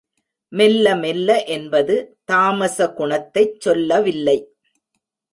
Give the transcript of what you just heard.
மெல்ல மெல்ல என்பது தாமச குணத்தைச் சொல்லவில்லை.